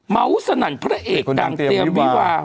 เม้าสนั่นพระเอกต่างเตรียมวิวา